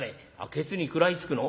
「けつに食らいつくの？」。